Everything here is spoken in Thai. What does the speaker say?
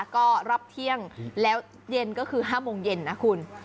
ก็รับเที่ยงแล้วเย็นก็คือ๕โมงเย็นนะคุณ